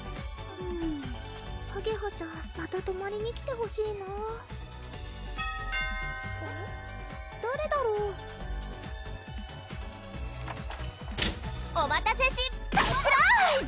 あげはちゃんまたとまりに来てほしいなぁ・・誰だろう？お待たせしサプラーイズ！